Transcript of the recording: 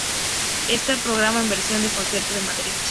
Está programada en versión de concierto en Madrid.